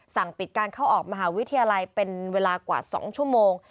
สั่งปิดการเข้าออกมหาวิทยาลัยเป็นเวลากว่า๒ชั่วโมง